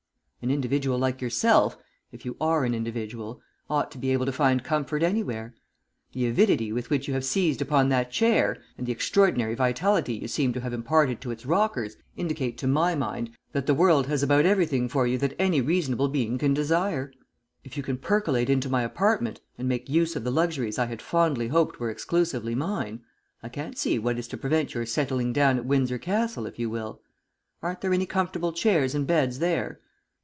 "An individual like yourself, if you are an individual, ought to be able to find comfort anywhere. The avidity with which you have seized upon that chair, and the extraordinary vitality you seem to have imparted to its rockers, indicate to my mind that the world has about everything for you that any reasonable being can desire. If you can percolate into my apartment and make use of the luxuries I had fondly hoped were exclusively mine, I can't see what is to prevent your settling down at Windsor Castle if you will. Aren't there any comfortable chairs and beds there?"